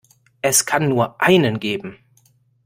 Es kann nur einen geben!